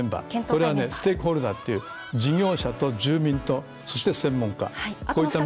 これはステークホルダーっていう事業者と住民と、そして専門家。